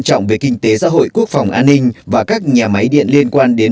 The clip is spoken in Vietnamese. đồng thời tăng cường minh bạch giá điện